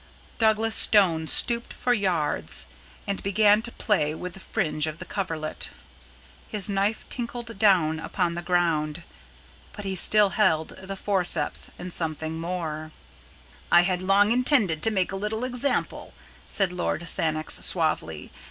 Douglas Stone stooped for yards and began to play with the fringe of the coverlet. His knife tinkled down upon the ground, but he still held the forceps and something more. "I had long intended to make a little example," said Lord Sannox, suavely.